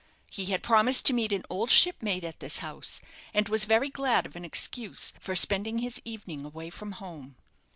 He had promised to meet an old shipmate at this house, and was very glad of an excuse for spending his evening away from home.